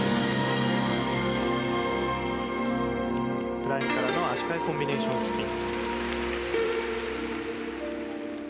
フライングからの足換えコンビネーションスピン。